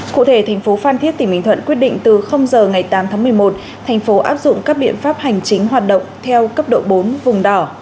cụ thể thành phố phan thiết tỉnh bình thuận quyết định từ giờ ngày tám tháng một mươi một thành phố áp dụng các biện pháp hành chính hoạt động theo cấp độ bốn vùng đỏ